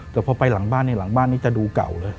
แต่พอไปหลังบ้านเนี่ยหลังบ้านนี้จะดูเก่าเลย